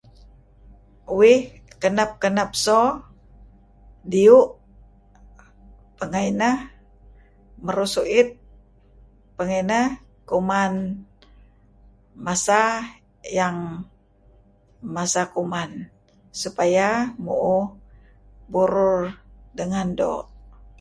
Uih kenep-kenep so diyu' pengeh ineh merus u'it pengeh ineh kuman masa yang masa kuman supaya mu'uh burur dengan doo'.